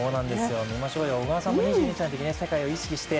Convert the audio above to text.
見ましょうよ、小川さんも２２歳の時、世界を意識して？